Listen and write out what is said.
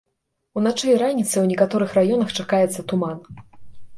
Уначы і раніцай у некаторых раёнах чакаецца туман.